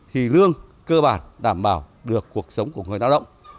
thì lương cơ bản đảm bảo được cuộc sống của người lao động